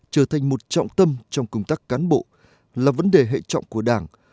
trở thành một trọng tâm trong công tác cán bộ là vấn đề hệ trọng của đảng